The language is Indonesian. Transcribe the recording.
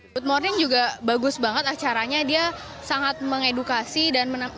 good morning juga bagus banget acaranya dia sangat mengedukasi dan